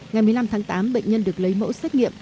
ngày một mươi năm tháng tám bệnh nhân được lấy mẫu xét nghiệm